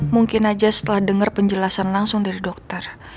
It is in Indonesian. mungkin aja setelah dengar penjelasan langsung dari dokter